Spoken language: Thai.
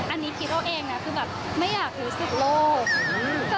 อันนี้คิดตัวเองนะคือแบบไม่อยากเห็นสิ่งโลก